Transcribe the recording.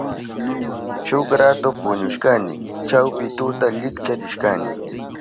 Shuk ratu puñushkani. Chawpi tuta likcharishkani.